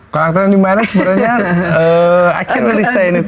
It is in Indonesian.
karakter yang dimainkan sebenarnya i can't really say anything